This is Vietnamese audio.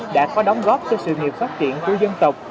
đã có đóng góp cho sự nghiệp phát triển của dân tộc